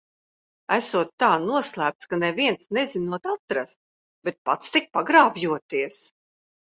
Esot tā noslēpts, ka neviens nezinot atrast, bet pats tik pagrābjoties.